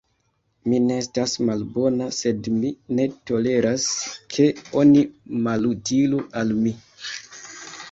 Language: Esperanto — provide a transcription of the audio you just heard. Mi ne estas malbona, sed mi ne toleras, ke oni malutilu al mi.